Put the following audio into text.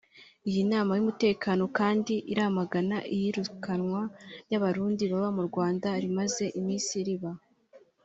Iyi nama y’umutekano kandi iramagana iyirukanwa ry’Abarundi baba mu Rwanda rimaze iminsi riba